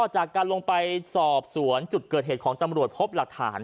จากการลงไปสอบสวนจุดเกิดเหตุของตำรวจพบหลักฐาน